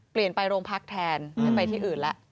เปลี่ยนไปโรงพักแทนไม่ไปที่อื่นแล้ว